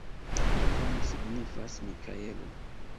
La nomo signifas Mikaelo.